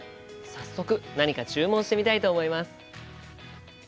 早速何か注文してみたいと思います。